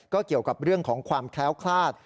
เกี่ยวกับเรื่องของความแคล้วคลาด